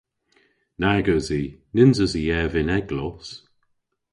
Nag usi. Nyns usi ev y'n eglos.